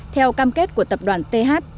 theo cam kết của tập đoàn th